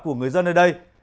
của người dân ở đây